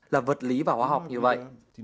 là vật lý và hóa học như vậy